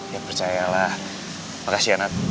ya percayalah makasih ya nat